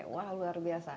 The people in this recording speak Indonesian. wah luar biasa